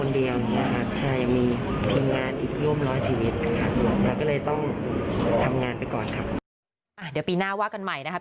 เดี๋ยวปีหน้าว่ากันใหม่นะคะ